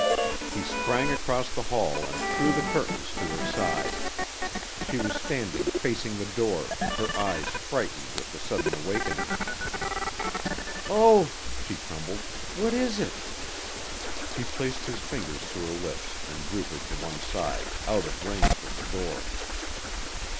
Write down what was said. He sprang across the hall and through the curtains to her side. She was standing facing the door, her eyes frightened with the sudden awakening. "Oh," she trembled, "what is it?" He placed his fingers to her lips and drew her to one side, out of range of the door.